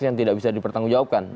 yang tidak bisa dipertanggungjawabkan